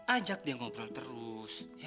ajak dia ngobrol terus